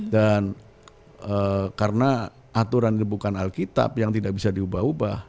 dan karena aturan bukan alkitab yang tidak bisa diubah ubah